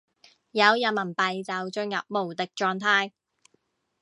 有人民幣就進入無敵狀態